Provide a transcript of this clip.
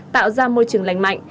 tạo ra môi trường lành mạnh